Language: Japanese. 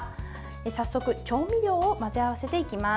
早速、調味料を混ぜ合わせていきます。